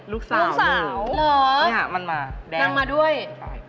ลูกสาวนี่นี่มันมาแดงนั่งมาด้วย